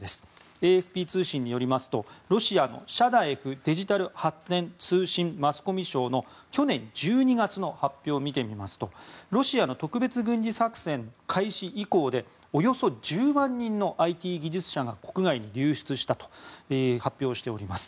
ＡＦＰ通信によりますとロシアのシャダエフデジタル発展・通信・マスコミ相の去年１２月の発表を見てみますとロシアの特別軍事作戦開始以降でおよそ１０万人のＩＴ技術者が国外に流出したと発表しております。